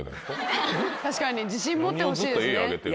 確かに自信持ってほしいですね。